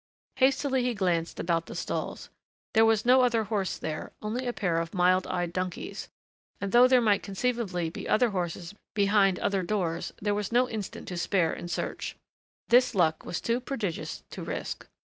Hastily he glanced about the stalls. There was no other horse there, only a pair of mild eyed donkeys, and though there might conceivably be other horses behind other doors there was no instant to spare in search. This luck was too prodigious to risk.